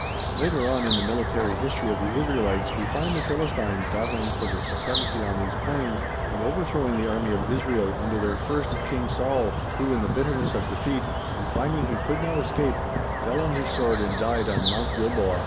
Later on in the military history of the Israelites we find the Philistines battling for the supremacy on these plains and overthrowing the army of Israel under their first King Saul, who, in the bitterness of defeat, and finding he could not escape, fell on his sword and died on Mount Gilboa.